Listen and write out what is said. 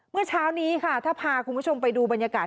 เมื่อเช้านี้ค่ะถ้าพาคุณผู้ชมไปดูบรรยากาศ